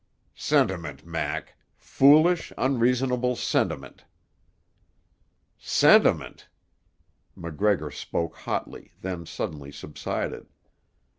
"Sentiment, Mac; foolish, unreasonable sentiment." "Sentiment!" MacGregor spoke hotly, then suddenly subsided.